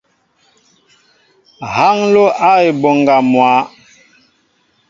Ha nló a e mɓoŋga mwa.